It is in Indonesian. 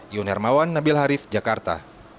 ion hermawan nabil haris jakarta